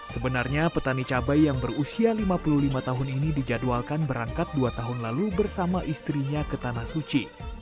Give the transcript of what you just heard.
sebenarnya petani cabai yang berusia lima puluh lima tahun ini dijadwalkan berangkat dua tahun lalu bersama istrinya ke tanah suci